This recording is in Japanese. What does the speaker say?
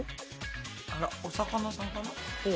あらお魚さんかな？